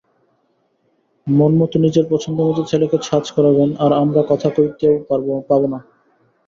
মন্মথ নিজের পছন্দমত ছেলেকে সাজ করাবেন, আর আমরা কথা কইতেও পাব না!